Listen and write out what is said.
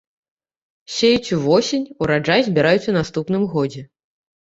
Сеюць увосень, ураджай збіраюць у наступным годзе.